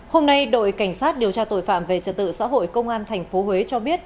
hôm nay đội cảnh sát điều tra tội phạm về trật tự xã hội công an tp huế cho biết